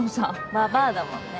ばばあだもんね。